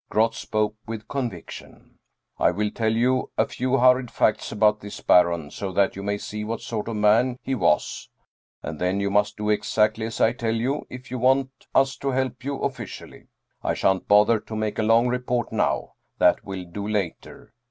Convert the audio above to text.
Groth spoke with conviction. " I will tell you a few hurried facts about this Baron, so that you may see what sort of a man he was. And then you must do exactly as I tell you if you want us to help you officially. I shan't bother to make a long report now. That will do later."